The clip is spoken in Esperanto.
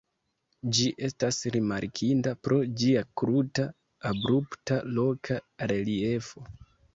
Ĝi estas rimarkinda pro ĝia kruta, abrupta loka reliefo.